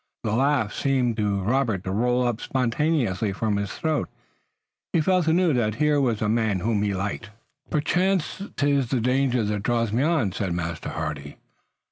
The laugh seemed to Robert to roll up spontaneously from his throat. He felt anew that here was a man whom he liked. "Perchance 'tis the danger that draws me on," said Master Hardy.